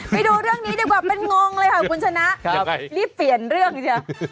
ไปดูเรื่องนี้ดีกว่าเป็นงงเลยค่ะคุณชนะรีบเปลี่ยนเรื่องเดี๋ยว